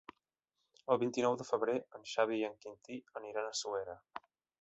El vint-i-nou de febrer en Xavi i en Quintí aniran a Suera.